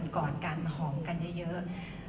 กอดกันหอมกันเยอะ